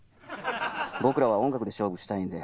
僕らは音楽で勝負したいんで。